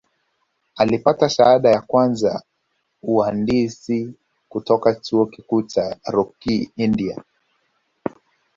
Alipata shahada ya kwanza uhandisi kutoka Chuo Kikuu cha Rokii India